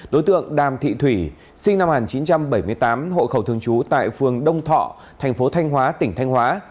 đối tượng đàm thị thủy sinh năm một nghìn chín trăm bảy mươi tám hộ khẩu thường trú tại phường đông thọ thành phố thanh hóa tỉnh thanh hóa